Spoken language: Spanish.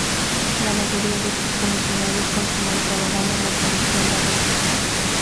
La mayoría de estos Comisarios continuaron trabajando en la Comisión Barroso.